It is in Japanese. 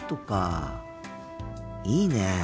いいねえ